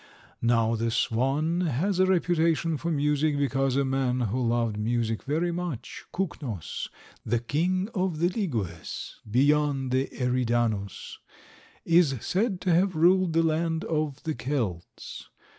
Now the swan has a reputation for music, because a man who loved music very much, Kuknos, the king of the Ligyes beyond the Eridanus, is said to have ruled the land of the Kelts.